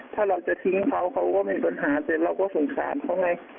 ถ้าเราจะทิ้งเขาเขาก็ไม่มีปัญหาแต่เราก็สงสารเขาไง